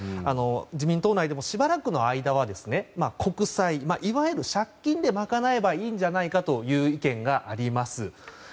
自民党内でもしばらくの間は国債いわゆる借金で賄えばいいんじゃないかという意見があります。